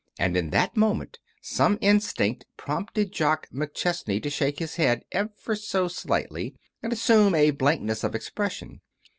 And in that moment some instinct prompted Jock McChesney to shake his head, ever so slightly, and assume a blankness of expression.